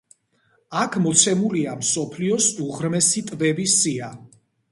აქ მოცემულია მსოფლიოს უღრმესი ტბების სია.